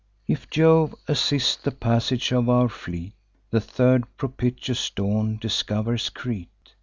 If Jove assists the passage of our fleet, The third propitious dawn discovers Crete.